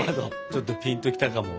ちょっとピンと来たかも。